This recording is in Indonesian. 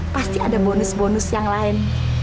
pasti ada bonus bonus yang lain